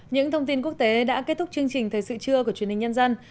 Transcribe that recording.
những thông tin quốc tế đã kết thúc chương trình thời sự trưa của truyền hình nhân dân